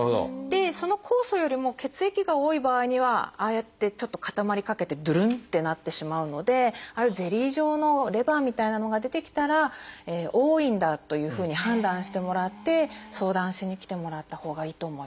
その酵素よりも血液が多い場合にはああやってちょっと固まりかけてドゥルンってなってしまうのでああいうゼリー状のレバーみたいなのが出てきたら多いんだというふうに判断してもらって相談しに来てもらったほうがいいと思います。